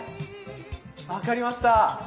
分かりました。